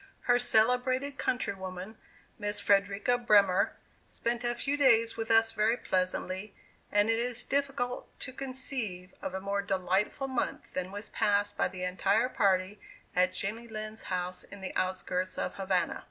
Her celebrated countrywoman, Miss Frederika Bremer, spent a few days with us very pleasantly, and it is difficult to conceive of a more delightful month than was passed by the entire party at Jenny Lind's house in the outskirts of Havana.